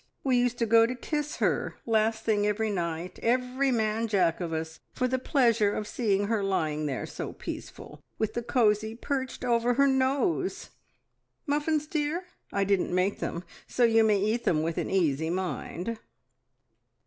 We used to go to kiss her last thing every night, every man Jack of us, for the pleasure of seeing her lying there, so peaceful, with the cosy perched over her nose! Muffins, dear? I didn't make them, so you may eat them with an easy mind."